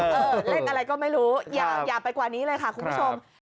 เล่นอะไรก็ไม่รู้อย่าไปกว่านี้เลยค่ะคุณผู้ชม